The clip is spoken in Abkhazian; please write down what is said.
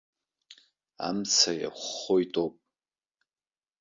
Амца иахәхоит ауп.